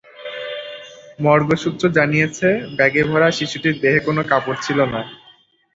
Morgue সূত্র জানিয়েছে, ব্যাগে ভরা শিশুটির দেহে কোনো কাপড় ছিল না।